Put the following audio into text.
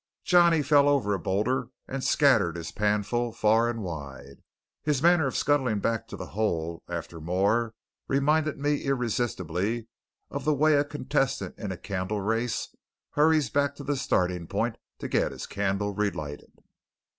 Johnny fell over a boulder and scattered his panful far and wide. His manner of scuttling back to the hole after more reminded me irresistibly of the way a contestant in a candle race hurries back to the starting point to get his candle relighted.